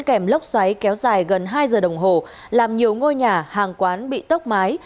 kèm lốc xoáy kéo dài gần hai giờ đồng hồ làm nhiều ngôi nhà hàng quán bị tốc mái